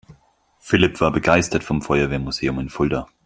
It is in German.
Philipp war begeistert vom Feuerwehrmuseum in Fulda.